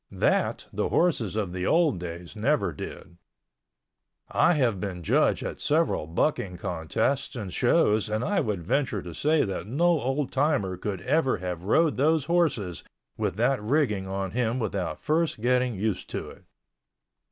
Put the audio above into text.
That the horses of the old days never did. I have been judge at several bucking contests and shows and I would venture to say that no old timer could ever have rode those horses with that rigging on him without first getting used to it.